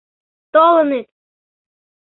Толыныт.